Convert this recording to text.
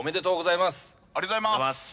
「ありがとうございます」